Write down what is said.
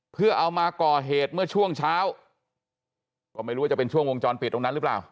เพื่อเอามาก่อเหตุเมื่อช่วงเช้าก็ไม่รู้ว่าจะเป็นช่วงวงจรปิดตรงนั้นหรือเปล่า